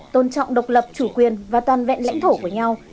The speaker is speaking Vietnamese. tôn trọng độc lập chủ quyền và toàn vẹn lãnh thổ của nhau